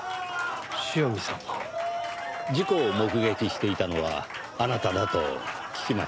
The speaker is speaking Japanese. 塩見さんの？事故を目撃していたのはあなただと聞きました。